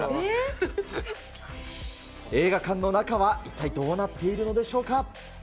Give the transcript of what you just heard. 映画館の中は一体どうなっているのでしょうか。